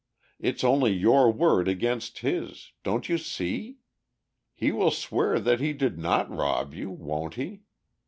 It's only your word against his; don't you see? He will swear that he did not rob you, won't he?